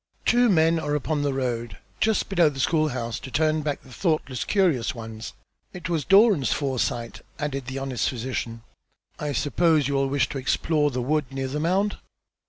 Two men are upon the road just below the school house to turn back the thoughtless curious ones. It was Doran's foresight," added the honest physician. "I suppose you will wish to explore the wood near the mound?"